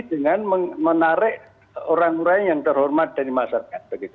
dengan menarik orang orang yang terhormat dari masyarakat